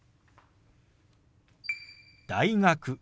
「大学」。